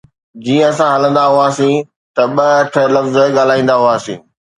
جيئن اسان هلندا هئاسين ته ٻه اٺ لفظ ڳالهائيندا هئاسين